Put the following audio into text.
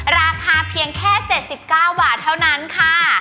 ราคาเพียงแค่๗๙บาทเท่านั้นค่ะ